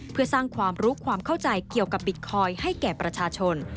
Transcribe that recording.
เพื่อสร้างความรู้ความเข้าใจเกี่ยวกับบิตคอยน์ให้แก่ประชาชน